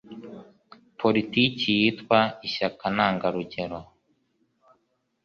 politiki witwa ISHYAKA NTANGARUGERO